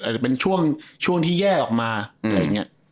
อ่ะหรือเป็นช่วงช่วงที่แย่ออกมาอะไรอย่างเงี้ย